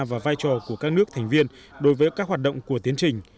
và vai trò của các nước thành viên đối với các hoạt động của tiến trình